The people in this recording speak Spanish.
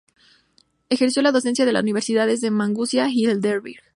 Ejerció la docencia en las universidades de Maguncia y Heidelberg.